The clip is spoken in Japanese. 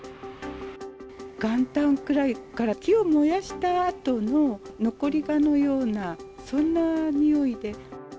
元旦くらいから、木を燃やしたあとの残り香のような、そんなにおいで。